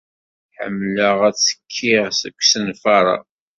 Ḥemmleɣ ad ttekkiɣ deg usenfar-a.